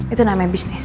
itu namanya bisnis